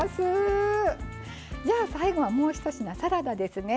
じゃあ、最後はもうひと品、サラダだですね。